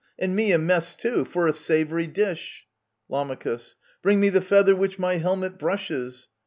And me a mess too — for a savoury dish. Lam. Bring me the feather which my helmet brushes